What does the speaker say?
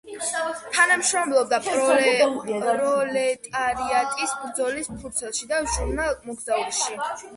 თანამშრომლობდა „პროლეტარიატის ბრძოლის ფურცელში“ და ჟურნალ „მოგზაურში“.